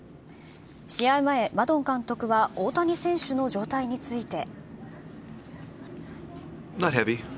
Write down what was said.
試合前、マドン監督は大谷選手の状態について。